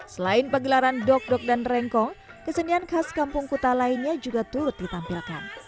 selain pegelaran dok dok dan rengkong kesenian khas kampung kuta lainnya juga turut ditampilkan